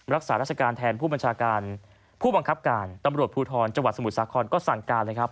รักษารัชการแทนผู้บังคับการตำรวจภูทรจังหวัดสมุทรสาขนก็สั่งการนะครับ